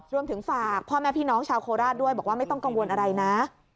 รวมถึงฝากพ่อแม่พี่น้องชาวโคราชด้วยบอกว่าไม่ต้องกังวลอะไรนะ